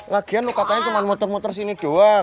lagian katanya cuma muter muter sini doang